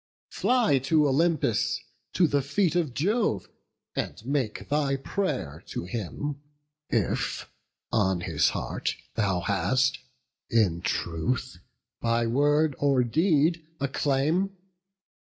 Fly to Olympus, to the feet of Jove, And make thy pray'r to him, if on his heart Thou hast in truth, by word or deed, a claim.